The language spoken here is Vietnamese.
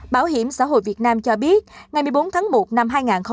bảo hiểm xã hội việt nam cho biết ngày một mươi bốn tháng một năm hai nghìn hai mươi